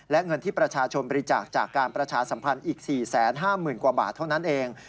และเงินที่ประชาชนบริจาคจากการประชาสัมพันธ์อีก๔๕๐๐๐กว่าบาทเท่านั้นเอง